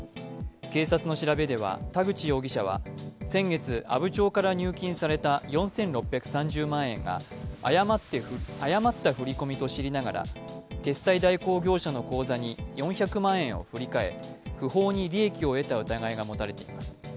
警察の調べでは田口容疑者は先月阿武町から入金された４６３０万円が謝った振り込みと知りながら決済代行業者の口座に４００万円を振り替え不法訃報に利益を得た疑いが持たれています。